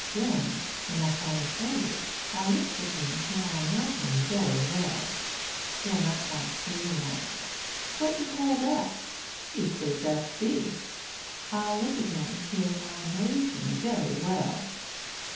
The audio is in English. Den, when I find A, I looks at him till I knows him bery well. Den I ax leetle massa, 'What you call dat?' He say dat's B. I looks at him till I knows him bery well.